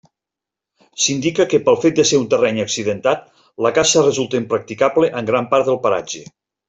S'indica que pel fet de ser un terreny accidentat la caça resulta impracticable en gran part del paratge.